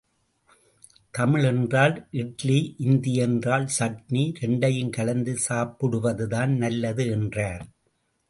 தமிழ் என்றால் இட்லி இந்தி என்றால் சட்னி இரண்டையும் கலந்து சாப்பிடுவதுதான் நல்லது என்றார்.